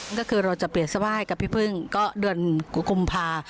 ก็คือเราจะเปลี่ยนสว่างให้กับพี่พึ่งก็เดือนกุมภา